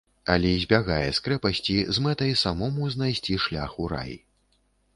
Алі збягае з крэпасці з мэтай самому знайсці шлях у рай.